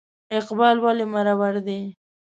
اقبال ولې مرور دی ؟